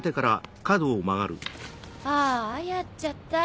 ああやっちゃった。